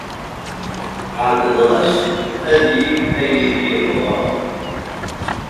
Ɛemmdeɣ-as ad yeg ayen ay yebɣa.